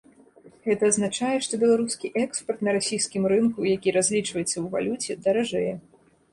Гэта азначае, што беларускі экспарт на расійскім рынку, які разлічваецца ў валюце, даражэе.